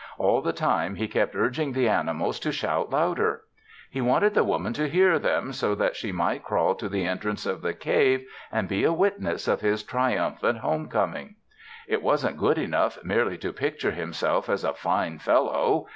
All the time he kept urging the animals to shout louder. He wanted the Woman to hear them, so that she might crawl to the entrance of the cave and be a witness of his triumphant home coming. It wasn't good enough merely to picture himself as a fine fellow.